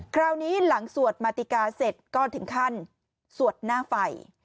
คราวนี้หลังสวดมาติกาเสร็จก็ถึงขั้นสวดหน้าไฟ